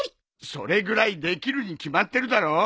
それぐらいできるに決まってるだろ！